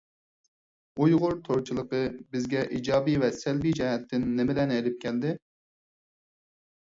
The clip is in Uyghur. ئۇيغۇر تورچىلىقى بىزگە ئىجابىي ۋە سەلبىي جەھەتتىن نېمىلەرنى ئېلىپ كەلدى؟